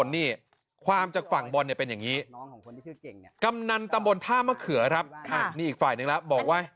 นี่อีกฝ่ายนึงนะบอกว่า